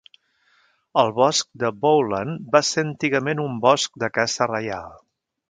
El bosc de Bowland va ser antigament un bosc de caça reial.